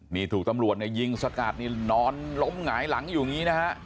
นี่ถูกตำรวจเนี่ยยิงสกัดนี่นอนล้มหงายหลังอยู่อย่างนี้นะฮะ